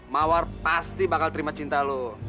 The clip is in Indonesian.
mawar pasti bakal terima cinta lu